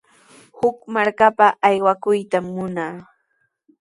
Huk markapa aywakuytami munaa.